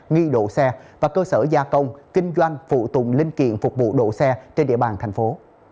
nghi độ xe và cơ sở gia công kinh doanh phụ tùng linh kiện phục vụ đổ xe trên địa bàn thành phố